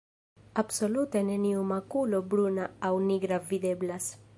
Absolute neniu makulo bruna aŭ nigra videblas.